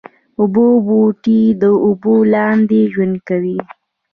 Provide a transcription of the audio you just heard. اوبو بوټي د اوبو لاندې ژوند کوي